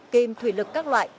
kìm thủy lực các loại